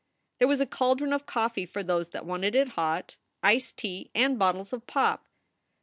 There was a caldron of coffee for those that wanted it hot, iced tea, and bottles of pop.